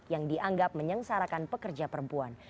yang dianggap menyengsarakan pekerja perempuan